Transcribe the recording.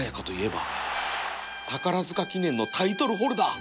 宝塚記念のタイトルホルダー